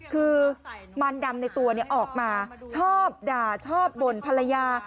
คือมันดำในตัวออกมาชอบด่าชอบบ่นภรรยา